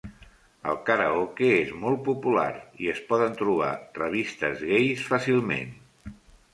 El karaoke és molt popular i es poden trobar revistes gais fàcilment.